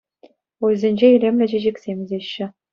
Уйсенче илемлӗ чечексем ӳсеҫҫӗ.